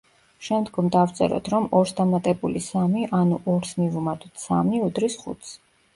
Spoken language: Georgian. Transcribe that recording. შემდეგ დავწეროთ რომ ორს დამატებული სამი, ანუ ორს მივუმატოთ სამი უდრის ხუთს.